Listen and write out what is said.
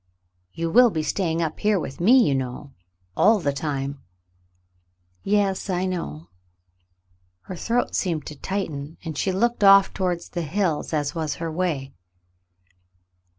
"You will be staying up here with me, you know, all the time." "Yes — I know." Her throat seemed to tighten, and she looked off toward the hills, as her way was.